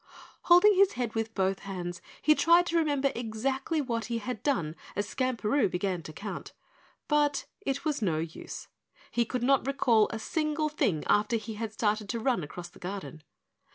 Holding his head with both hands, he tried to remember exactly what he had done as Skamperoo began to count. But it was no use. He could not recall a single thing after he had started to run across the garden.